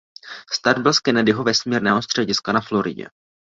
Start byl z Kennedyho vesmírného střediska na Floridě.